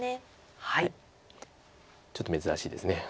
ちょっと珍しいです。